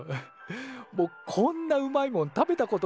もうこんなうまいもん食べたことないってやつ。